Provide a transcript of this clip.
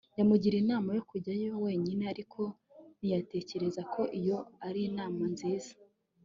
Yamugiriye inama yo kujyayo wenyine ariko ntiyatekereza ko iyo ari inama nziza